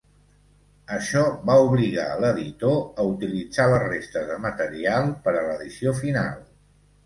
Això va obligar l'editor a utilitzar les restes de material per a l'edició final.